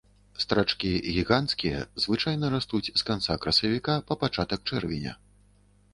Страчкі гіганцкія звычайна растуць з канца красавіка па пачатак чэрвеня.